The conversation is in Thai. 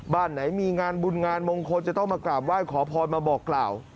บ้านไหนมีงานบุญงานมงคลจะต้องมากราบไหว้ขอพรมาบอกกล่าว